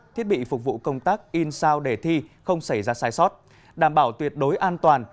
thiết bị phục vụ công tác in sao để thi không xảy ra sai sót đảm bảo tuyệt đối an toàn